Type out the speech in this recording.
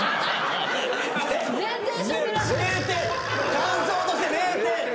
感想として０点！